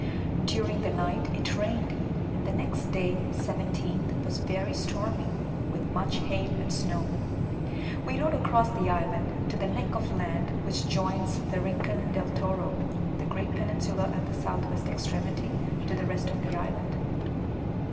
During the night it rained, and the next day (17th) was very stormy, with much hail and snow. We rode across the island to the neck of land which joins the Rincon del Toro (the great peninsula at the S. W. extremity) to the rest of the island.